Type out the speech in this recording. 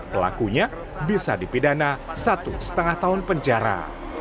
pelakunya bisa dipidana satu lima tahun penjara